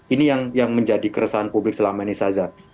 ini yang menjadi keresahan publik selama ini saza